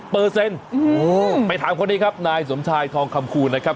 ไปถามคนนี้ครับนายสมชายทองคำคูณนะครับ